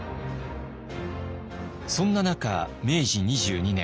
そんな中明治２２年